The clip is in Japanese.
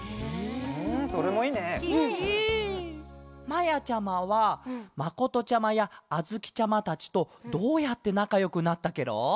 まやちゃまはまことちゃまやあづきちゃまたちとどうやってなかよくなったケロ？